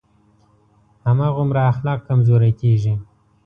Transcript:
هماغومره اخلاق کمزوری کېږي.